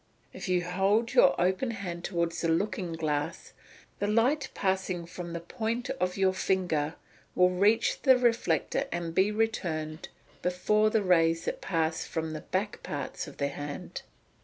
If you hold your open hand towards the looking glass, the light passing from the point of your finger will reach the reflector and be returned before the rays that pass from the back parts of the hand.